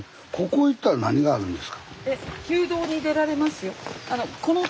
ここ行ったら何があるんですか？